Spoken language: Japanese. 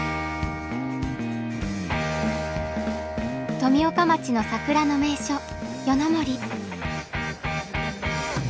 富岡町の桜の名所夜の森。